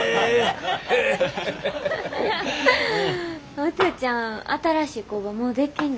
お父ちゃん新しい工場もうできんの？